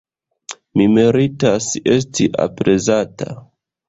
Mi meritas esti aprezata.